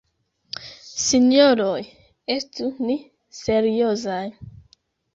Sinjoroj estu ni seriozaj.